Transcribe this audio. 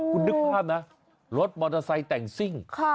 คุณนึกภาพนะรถมอเตอร์ไซค์แต่งซิ่ง